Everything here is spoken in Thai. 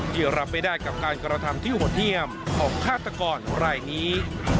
ที่รับไม่ได้กับการกระทำที่หดเยี่ยมของฆาตกรรายนี้